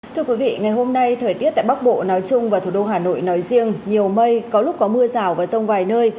thưa quý vị ngày hôm nay thời tiết tại bắc bộ nói chung và thủ đô hà nội nói riêng nhiều mây có lúc có mưa rào và rông vài nơi